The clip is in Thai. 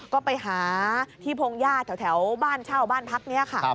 ก็ไปหาที่พงญาติแถวบ้านเช่าบ้านพักนี้ค่ะ